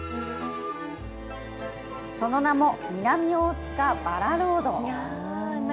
その名も、南大塚バラロード。